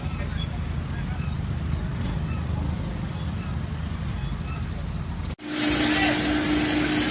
จากเมื่อเกิดขึ้นมันกลายเป้าหมาย